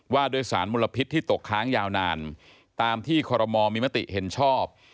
ว่าโดยสารมลพิษที่ตกค้างยาวนานตามที่คอรมอลมีมติเห็นชอบ